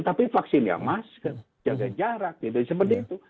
tapi vaksinnya masker jaga jarak seperti itu